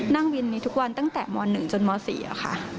นั่งวินนี้ทุกวันตั้งแต่ม๑จนม๔ค่ะ